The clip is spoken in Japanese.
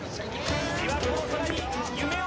・琵琶湖の空に夢を。